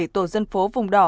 ba mươi bảy tổ dân phố vùng đỏ